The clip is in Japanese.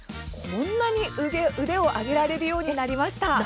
こんなに腕を上げられるようになりました。